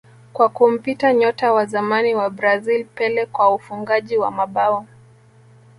kwa kumpita nyota wa zamani wa Brazil Pele kwa ufungaji wa mabao